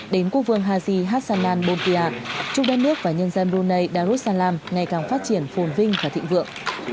đến quốc vương haji hassanan bolpia chúc đất nước và nhân dân brunei darussalam ngày càng phát triển phồn vinh và thịnh vượng